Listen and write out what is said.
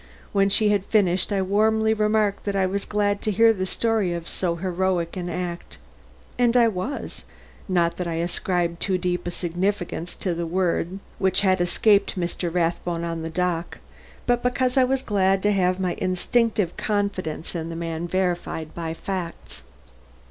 When she had finished I warmly remarked that I was glad to hear the story of so heroic an act. And I was. Not that I ascribed too deep a significance to the word which had escaped Mr. Rathbone on the dock, but because I was glad to have my instinctive confidence in the man verified by facts.